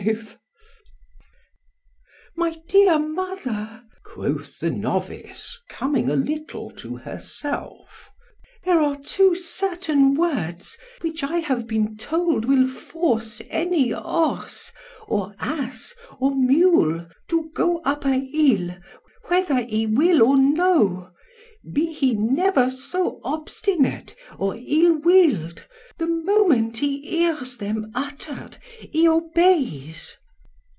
V MY dear mother, quoth the novice, coming a little to herself,—there are two certain words, which I have been told will force any horse, or ass, or mule, to go up a hill whether he will or no; be he never so obstinate or ill will'd, the moment he hears them utter'd, he obeys.